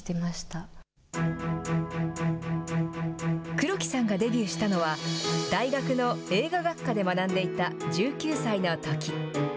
黒木さんがデビューしたのは、大学の映画学科で学んでいた１９歳のとき。